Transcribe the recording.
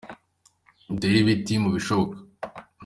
Dutere ibiti mubishoboka.